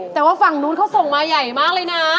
แต่ว่าฝั่งนู้นเขาส่งมาใหญ่มากเลยนะ